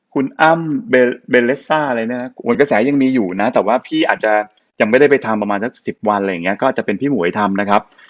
คุณอ้ำเบนเลสซ่าอะไรเนี่ยนะผลกระแสยังมีอยู่นะแต่ว่าพี่อาจจะยังไม่ได้ไปทำประมาณสัก๑๐วันอะไรอย่างนี้ก็อาจจะเป็นพี่หมวยทำนะครับ